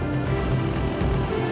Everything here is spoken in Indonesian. aku juga keliatan jalan sama si neng manis